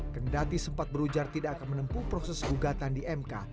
kendati sempat berujar tidak akan menempuh proses gugatan di mk